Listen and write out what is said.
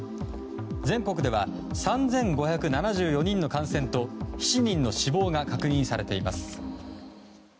全国では３５７４人の感染と７人の死亡が確認されています。